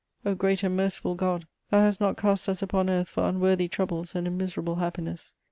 O great and merciful God, Thou hast not cast us upon earth for unworthy troubles and a miserable happiness!